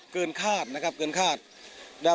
เกินคาดนะครับเกินคาด